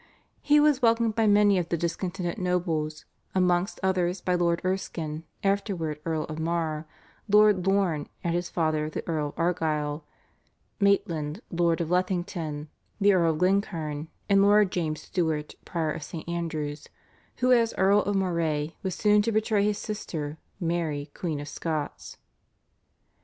He was welcomed by many of the discontented nobles, amongst others by Lord Erskine afterwards Earl of Mar, Lord Lorne and his father the Earl of Argyll, Maitland Lord of Lethington, the Earl of Glencairn, and Lord James Stuart prior of St. Andrew's, who as Earl of Moray was soon to betray his sister, Mary Queen of Scots.